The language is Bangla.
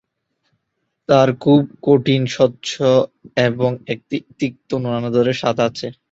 তারা খুব কঠিন, স্বচ্ছ এবং একটি তিক্ত, নোনতা স্বাদ আছে।